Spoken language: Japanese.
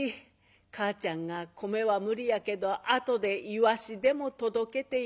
母ちゃんが米は無理やけど後でイワシでも届けてやるわい」。